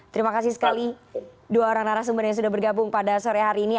terima kasih sekali dua orang narasumber yang sudah bergabung pada sore hari ini